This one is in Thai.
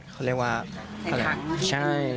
เขาเรียกว่า